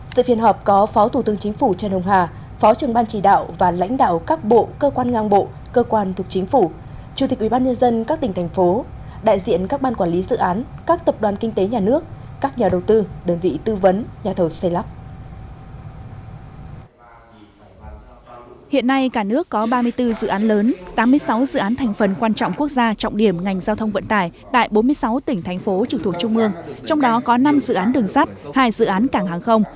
đây là yêu cầu của thủ tướng phạm minh chính trường ban chỉ đạo nhà nước các công trình dự án quan trọng quốc gia trọng điểm ngành giao thông vận tải tại bốn mươi sáu tỉnh thành phố trực thuộc trung ương đang có các công trình dự án quan trọng quốc gia trọng điểm ngành giao thông vận tải đang có các công trình dự án quan trọng quốc gia trọng điểm ngành giao thông vận tải